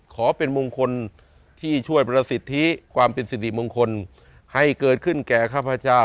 ขอเป็นมงคลที่ช่วยประสิทธิความเป็นสิริมงคลให้เกิดขึ้นแก่ข้าพเจ้า